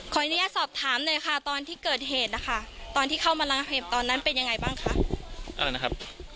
ขออนุญาตสอบถามเลยค่ะตอนที่เกิดเหตุนะคะตอนที่เข้ามารังเหตุตอนนั้นเป็นยังไงบ้างคะ